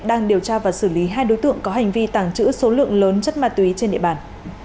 đang điều tra và xử lý hai đối tượng có hành vi tàng trữ số lượng lớn chất ma túy trên địa bàn